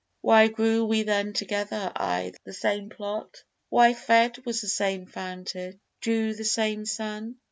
Why grew we then together i' the same plot? Why fed we the same fountain? drew the same sun?